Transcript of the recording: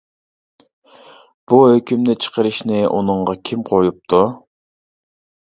بۇ ھۆكۈمنى چىقىرىشنى ئۇنىڭغا كىم قويۇپتۇ.